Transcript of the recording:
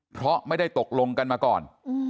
เพราะไม่ได้ตกลงกันมาก่อน